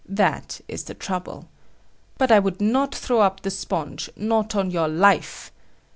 That is the trouble. But I would not throw up the sponge; not on your life!